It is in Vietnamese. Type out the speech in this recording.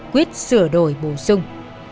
quyết sửa đổi bổ sung